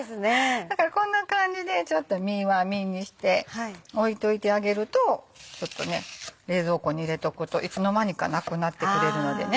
だからこんな感じで実は実にして置いといてあげるとちょっとね冷蔵庫に入れとくといつの間にかなくなってくれるのでね。